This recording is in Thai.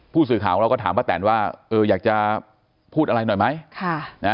ผู้สื่อข่าวเราก็ถามป้าแตนว่าเอออยากจะพูดอะไรหน่อยไหม